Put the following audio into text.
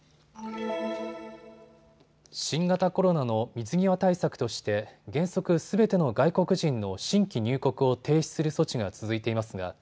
新型コロナの水際対策として原則すべての外国人の新規入国を停止する措置が続いていますが